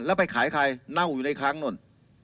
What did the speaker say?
แล้วไปขายใครเน่าอยู่ในครั้งนู่น